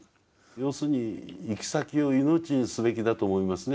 要するに行き先を命にすべきだと思いますね